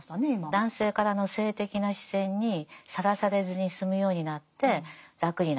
男性からの性的な視線にさらされずに済むようになって楽になった。